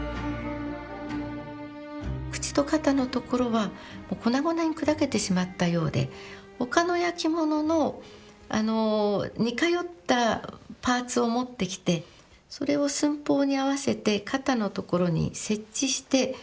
口と肩のところはもう粉々に砕けてしまったようで他の焼き物の似通ったパーツを持ってきてそれを寸法に合わせて肩のところに設置してそれを漆で接着しながら